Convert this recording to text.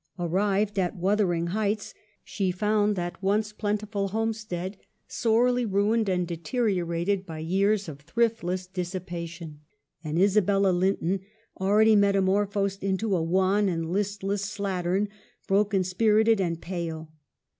Arrived at Wuthering Heights, she found that once plentiful homestead sorely ruined and deteriorated by years of thriftless dissipation ; and Isabella Linton, already metamorphosed into a wan and listless slattern, broken spirited and pale.